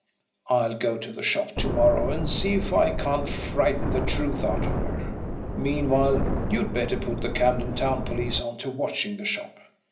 I'll go to the shop to morrow and see if I can't frighten the truth out of her. Meanwhile, you'd better put the Camden Town police on to watching the shop.